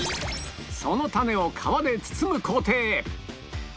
そのタネを皮で包む工程へ